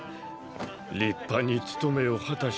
立派に務めを果たしたな。